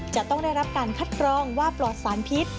จะต้องได้รับการคัดกรองว่าปลอดสารพิษ